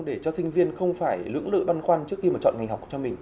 để cho sinh viên không phải lưỡng lự băn khoăn trước khi mà chọn ngành học cho mình